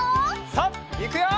さあいくよ！